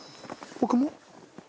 僕も？